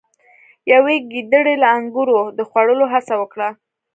یوې ګیدړې له انګورو د خوړلو هڅه وکړه.